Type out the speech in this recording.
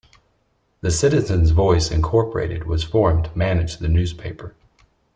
The Citizens' Voice, Incorporated was formed to manage the newspaper.